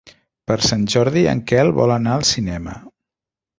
Per Sant Jordi en Quel vol anar al cinema.